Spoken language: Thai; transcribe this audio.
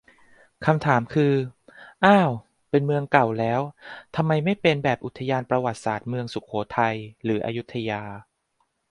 คำถามคือ อ้าวเป็นเมืองเก่าแล้วทำไมไม่เป็นแบบอุทยานประวัติศาสตร์ เมืองสุโขทัย หรืออยุธยา